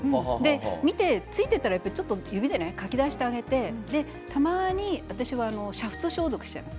見て、ついていたら指でかき出してあげてたまに私は煮沸消毒しちゃいます。